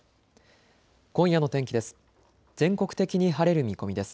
今夜の天気です。